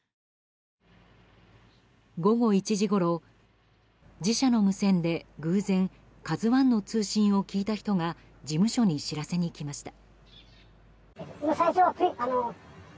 午後１時ごろ、自社の無線で偶然「ＫＡＺＵ１」の通信を聞いた人が事務所に知らせに来ました。